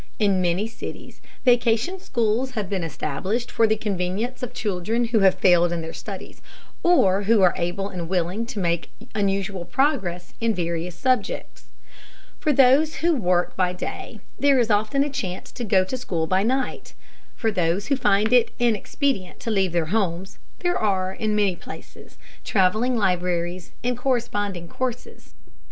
In many cities vacation schools have been established for the convenience of children who have failed in their studies, or who are able and willing to make unusual progress in various subjects. For those who work by day there is often a chance to go to school by night. For those who find it inexpedient to leave their homes, there are, in many places, travelling libraries and correspondence courses.